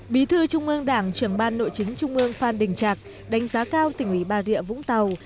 bí thư trung ương đảng trưởng ban nội chính trung ương phan đình trạc đánh giá cao tỉnh ủy bà rịa vũng tàu